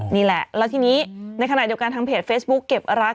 นี่แหละแล้วทีนี้ในขณะเดียวกันทางเพจเฟซบุ๊คเก็บรัก